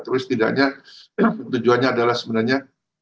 tapi setidaknya tujuannya adalah sebenarnya